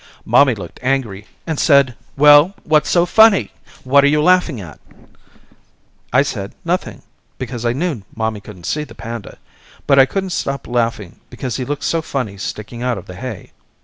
Mommy looked angry and said well what's so funny, what are you laughing at? I said nothing, because I knew mommy couldn't see the panda, but I couldn't stop laughing because he looked so funny sticking out of the hay.